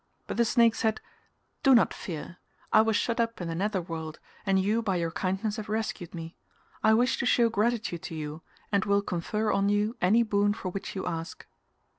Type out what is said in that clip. But the snake said "Do not fear: I was shut up in the nether world, and you by your kindness have rescued me, I wish to show gratitude to you and will confer on you any boon for which you ask."